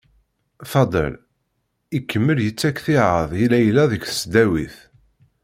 Faḍel ikemmel yettak ttiεad i Layla deg tesdawit.